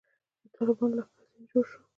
د طالبانو لښکر ځنې جوړ شو.